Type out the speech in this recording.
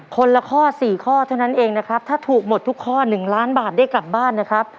คนละข้อสี่ข้อเท่านั้นเองนะครับถ้าถูกหมดทุกข้อ๑ล้านบาทได้กลับบ้านนะครับ